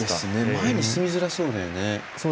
前に進みづらそうだよね。